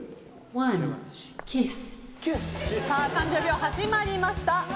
３０秒始まりました。